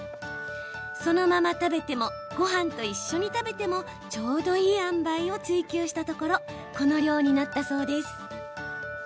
そのまま食べてもごはんと一緒に食べてもちょうどいいあんばいを追求したところこの量になったそう。